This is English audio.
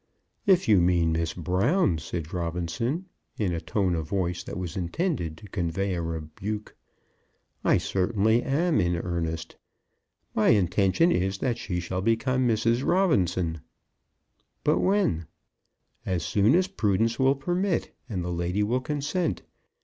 "If you mean Miss Brown," said Robinson, in a tone of voice that was intended to convey a rebuke, "I certainly am in earnest. My intention is that she shall become Mrs. Robinson." "But when?" "As soon as prudence will permit and the lady will consent.